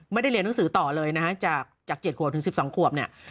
ไม่ได้เรียนหนังสือต่อเลยนะฮะจาก๗ขวบถึง๑๒ขวบเนี่ย